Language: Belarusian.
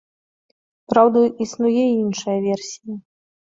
Праўда, існуе і іншая версія.